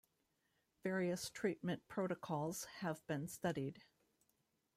Various treatment protocols have been studied.